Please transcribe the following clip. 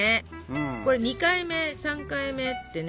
これ２回目３回目ってね